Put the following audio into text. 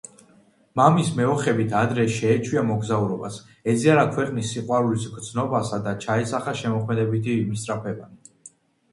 მამის მეოხებით ადრე შეეჩვია მოგზაურობას, ეზიარა ქვეყნის სიყვარულის გრძნობას და ჩაესახა შემოქმედებითი მისწრაფებანი.